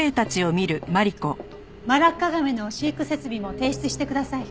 マラッカガメの飼育設備も提出してください。